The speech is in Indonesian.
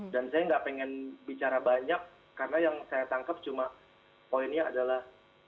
dan saya nggak pengen bicara banyak karena yang saya tangkap cuma poinnya adalah